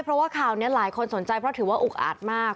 เพราะว่าข่าวนี้หลายคนสนใจเพราะถือว่าอุกอาจมาก